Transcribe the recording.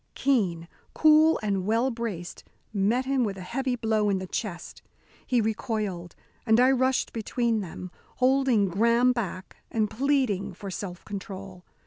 Keene, cool and well braced, met him with a heavy blow in the chest. He recoiled, and I rushed between them, holding Graham back, and pleading for self control.